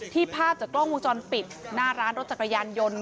ภาพจากกล้องวงจรปิดหน้าร้านรถจักรยานยนต์